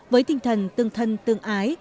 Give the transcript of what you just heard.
với tinh thần tương thân tương ái